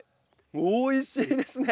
おいしいですね。